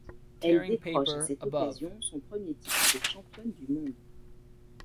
Elle décroche à cette occasion son premier titre de championne du monde.